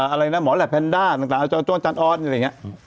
อะไรนะหมอแหลปแพนด้าตั้งแทร่ตั้งต้นรดนะ